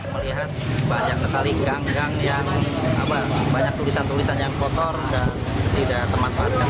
melihat banyak sekali gang gang yang banyak tulisan tulisan yang kotor dan tidak termanfaatkan